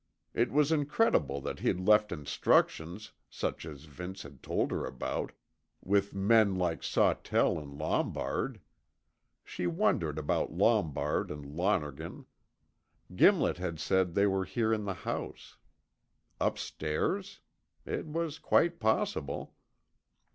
It was incredible that he'd left instructions, such as Vince had told her about, with men like Sawtell and Lombard. She wondered about Lombard and Lonergan. Gimlet had said they were here in the house. Upstairs? It was quite possible.